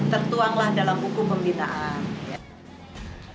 tertuanglah dalam hukum pembinaan